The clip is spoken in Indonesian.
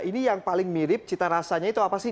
ini yang paling mirip cita rasanya itu apa sih